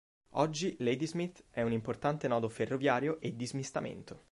Oggi Ladysmith è un importante nodo ferroviario e di smistamento.